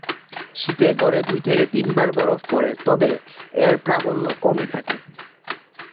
শীতে গড়ে দুই থেকে তিনবার বরফ পড়ে, তবে এর প্রাবল্য কমই থাকে।